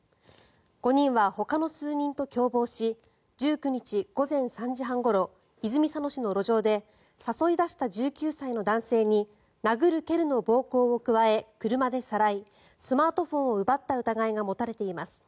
５人はほかの数人と共謀し１９日午前３時半ごろ泉佐野市の路上で誘い出した１９歳の男性に殴る蹴るの暴行を加え車でさらいスマートフォンを奪った疑いが持たれています。